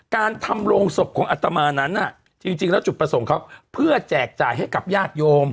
การทำโรงศพของอัตมานั้นจริงแล้วจุดประสงค์เขาเพื่อแจกจ่ายให้กับญาติโยม